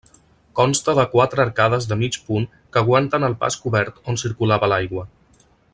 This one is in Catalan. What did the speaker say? Consta de quatre arcades de mig punt que aguanten el pas cobert on circulava l'aigua.